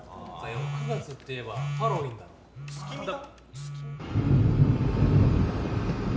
９月って言えばハロウイーンだろう・月見は？